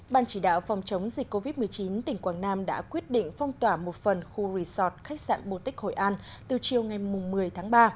ban chỉ đạo phòng chống dịch covid một mươi chín tỉnh quảng nam đã quyết định phong tỏa một phần khu resort khách sạn bồ tích hội an từ chiều ngày một mươi tháng ba